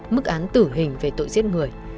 mức án tử hình về tội giết người